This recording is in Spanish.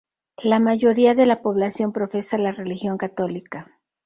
La mayoría de la población profesa la religión católica.